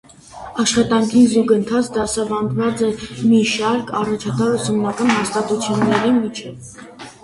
Աշխատանքին զուգընթաց դասաւանդած է շարք մը յառաջատար ուսումնական հաստատութիւններու մէջ։